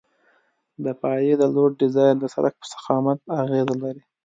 د پایې د لوډ ډیزاین د سرک په ضخامت اغیزه لري